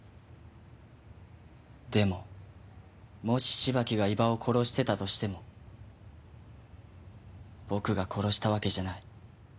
でももし芝木が伊庭を殺してたとしても僕が殺したわけじゃない。